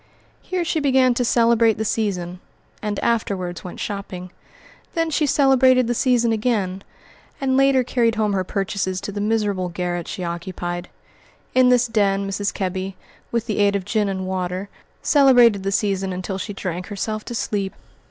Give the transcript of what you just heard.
Here she began to celebrate the season, and afterwards went shopping; then she celebrated the season again, and later carried home her purchases to the miserable garret she occupied. In this den Mrs. Kebby, with the aid of gin and water, celebrated the season until she drank herself to sleep.